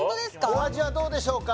お味はどうでしょうか？